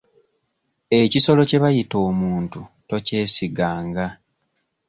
Ekisolo kye bayita omuntu tokyesiganga.